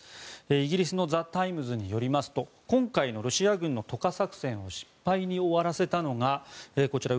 イギリスのザ・タイムズによりますと今回のロシア軍の渡河作戦を失敗に終わらせたのがこちら